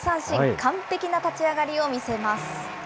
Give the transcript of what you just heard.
完璧な立ち上がりを見せます。